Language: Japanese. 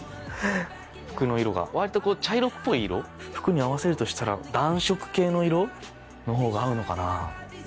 服の色が割と茶色っぽい色服に合わせるとしたら暖色系の色のほうが合うのかな？